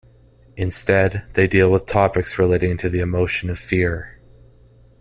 Instead, they deal with topics relating to the emotion of fear.